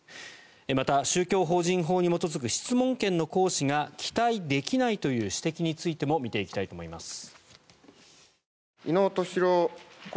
また、宗教法人法に基づく質問権の行使が期待できないという指摘についても見ていきたいと思います。